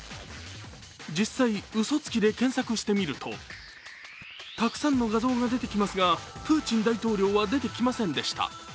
実際、「うそつき」で検索してみるとたくさんの画像が出てきますが、プーチン大統領は出てきませんでした。